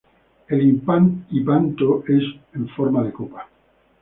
El hipanto es en forma de copa.